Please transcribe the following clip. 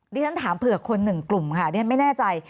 ที่ฉันถามเผื่อคนหนึ่งกลุ่มค่ะดิฉันไม่แน่ใจ